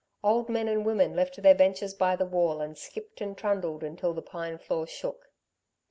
Old men and women left their benches by the wall and skipped and trundled until the pine floor shook.